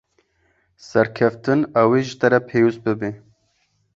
Serkeftin ew ê ji te re pêwîst bibe.